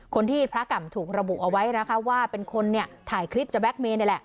พระกรรมถูกระบุเอาไว้นะคะว่าเป็นคนเนี่ยถ่ายคลิปจะแก๊กเมย์นี่แหละ